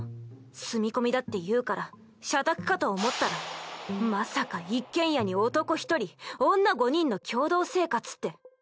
住み込みだっていうから社宅かと思ったらまさか一軒家に男１人女５人の共同生活って。